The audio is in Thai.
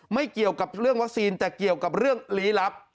ไม่เกี่ยวกับเรื่องวัคซีนแต่เกี่ยวกับเรื่องลี้ลับ